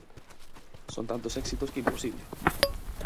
¡Son tantos éxitos que é imposible!